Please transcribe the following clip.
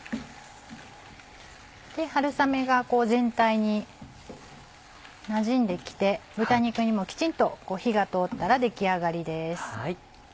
春雨がこう全体になじんできて豚肉にもきちんと火が通ったら出来上がりです。